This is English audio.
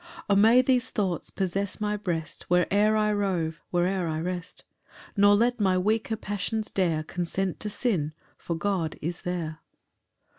5 "O may these thoughts possess my breast, "Where'er I rove where'er I rest! "Nor let my weaker passions dare "Consent to sin, for God is there." PAUSE I.